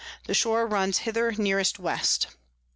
The Shore runs hither nearest West.